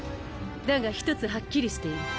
だが１つはっきりしている。